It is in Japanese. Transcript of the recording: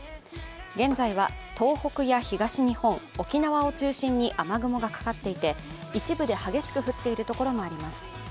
現在は東北や東日本、沖縄を中心に雨雲がかかっていて、一部で激しく降っているところもあります。